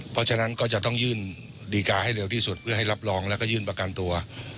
เพราะฉะนั้นก็จะต้องยื่นดีการ์ให้เร็วที่สุดเพื่อให้รับรองแล้วก็ยื่นประกันตัว